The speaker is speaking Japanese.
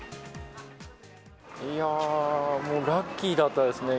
いやー、もうラッキーだったですね。